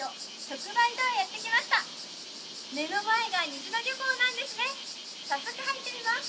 早速入ってみます。